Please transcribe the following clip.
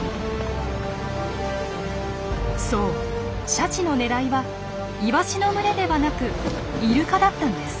そうシャチの狙いはイワシの群れではなくイルカだったんです。